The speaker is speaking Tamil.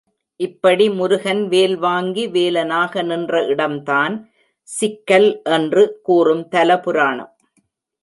இப்படி முருகன் வேல் வாங்கி வேலனாக நின்ற இடம்தான் சிக்கல் என்று கூறும் தல புராணம்.